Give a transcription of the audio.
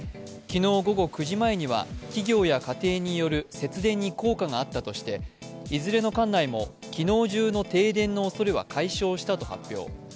昨日午後９時前には企業や家庭による節電に効果があったとしていずれの管内も昨日中の停電のおそれは解消したと発表。